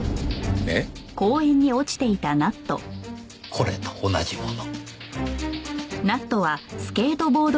これと同じもの。